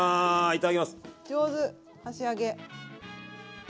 上手箸上げ。